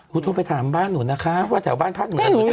คุณโทษไปถามบ้านหนูนะคะว่าแถวบ้านพรรดิหนูเป็นยังไง